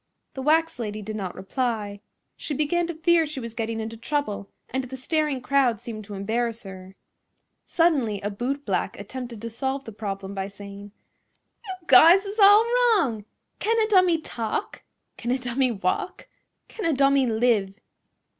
The wax lady did not reply. She began to fear she was getting into trouble, and the staring crowd seemed to embarrass her. Suddenly a bootblack attempted to solve the problem by saying: "You guys is all wrong! Can a dummy talk? Can a dummy walk? Can a dummy live?"